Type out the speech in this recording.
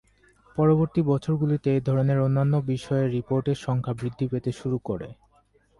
পরবর্তী বছরগুলোতে এ ধরনের অন্যান্য বিষয়ের রিপোর্টের সংখ্যা বৃদ্ধি পেতে শুরু করে।